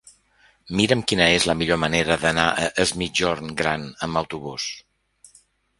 Mira'm quina és la millor manera d'anar a Es Migjorn Gran amb autobús.